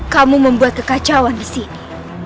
kamu membuat kekacauan di sini